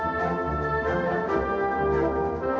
สวัสดีครับ